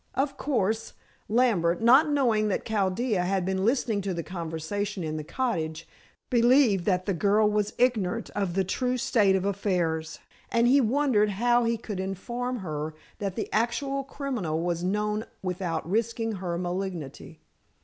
Of course, Lambert, not knowing that Chaldea had been listening to the conversation in the cottage, believed that the girl was ignorant of the true state of affairs, and he wondered how he could inform her that the actual criminal was known without risking her malignity.